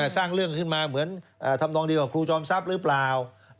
สร้างเรื่องขึ้นมาเหมือนทำนองดีกว่าครูจอมทรัพย์หรือเปล่า